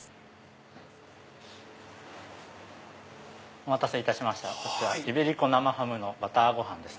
お待たせいたしましたイベリコ生ハムのバターご飯です。